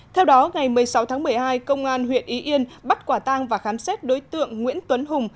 theo đó ngày một mươi sáu tháng một mươi hai công an huyện ý yên bắt quả tang và khám xét đối tượng nguyễn tuấn hùng